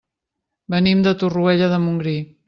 Venim de Torroella de Montgrí.